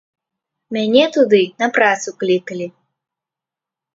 Мяне туды на працу клікалі.